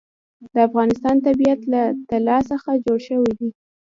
د افغانستان طبیعت له طلا څخه جوړ شوی دی.